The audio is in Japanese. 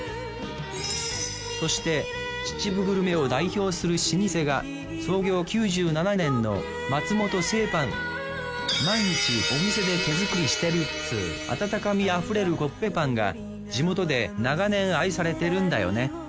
そして秩父グルメを代表する老舗が毎日お店で手作りしてるっつう温かみあふれるコッペパンが地元で長年愛されてるんだよね。